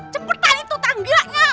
cepetan itu tangganya